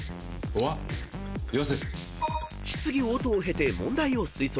［質疑応答を経て問題を推測］